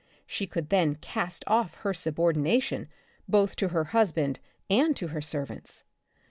She could then cast off her subordination both to her husband and to her servants.